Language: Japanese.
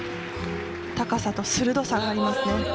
高さと鋭さがありますね。